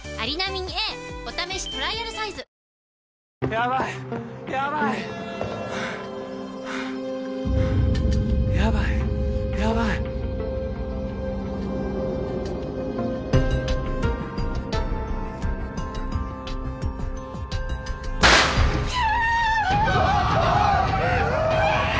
ヤバいヤバいヤバいヤバいひゃああ！